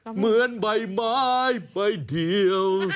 เหมือนใบไม้ใบเดียว